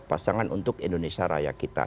pasangan untuk indonesia raya kita